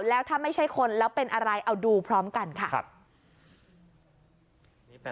แล้วถ้าไม่ใช่คนแล้วเป็นอะไรเอาดูพร้อมกันค่ะ